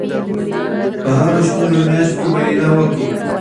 په هرو شپږو میاشتو کې معاینه وکړئ.